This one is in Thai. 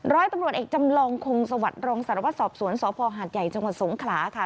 ร้อยตำรวจเอกจำลองคงสวรรค์รองสารวจสอบสวนสภหาดใหญ่จสงขลาค่ะ